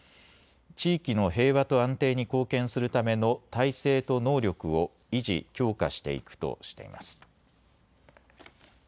地域の平和と安定に貢献するための態勢と能力を維持・強化していくとしています。